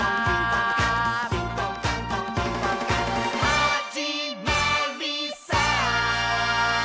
「はじまりさー」